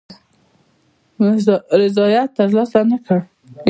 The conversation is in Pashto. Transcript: رضاییت تر لاسه نه کړ.